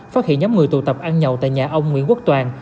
phát hiện nhóm người tụ tập ăn nhậu tại nhà ông nguyễn quốc toàn